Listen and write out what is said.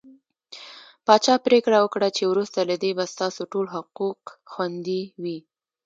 پاچا پرېکړه وکړه چې وروسته له دې به ستاسو ټول حقوق خوندي وي .